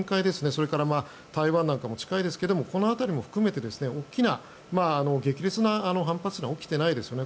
それから台湾なんかも近いですがこの辺りも含めて大きな激烈な反発は起きてないですね。